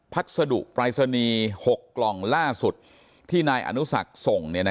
พัสดุปรายศนีย์๖กล่องล่าสุดที่นายอนุสักส่ง